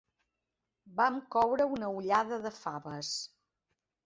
Vam coure una ollada de faves.